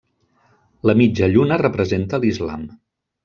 La mitja lluna representa l'Islam.